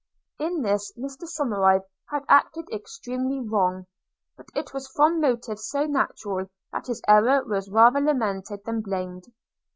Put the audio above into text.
– In this Mr Somerive had acted extremely wrong; but it was from motives so natural, that his error was rather lamented than blamed.